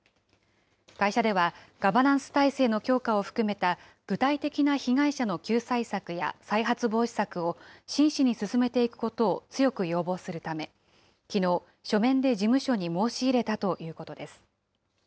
会社では、ガバナンス体制の強化を含めた具体的な被害者の救済策や再発防止策を真摯に進めていくことを強く要望するため、きのう、書面で事務所に申し入れたということです。